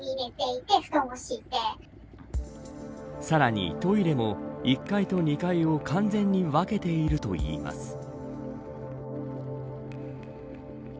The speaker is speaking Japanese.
さらに、トイレも１階と２階を完全に分けているといいます。